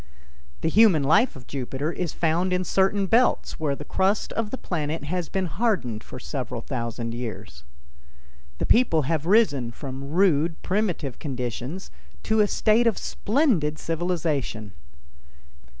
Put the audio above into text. The human life of Jupiter is found in certain belts where the crust of the planet has been hardened for several thousand years. The people have risen from rude, primitive conditions to a state of splendid civilization.